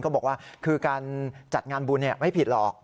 บอกว่าคือการจัดงานบุญไม่ผิดหรอก